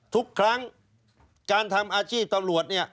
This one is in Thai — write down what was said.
ทุกครั้งการทำอาชีพตำรวจเนี่ย